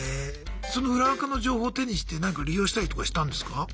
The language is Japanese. その裏アカの情報を手にしてなんか利用したりとかしたんですか？